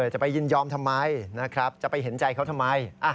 จะไปยินยอมทำไมนะครับจะไปเห็นใจเขาทำไม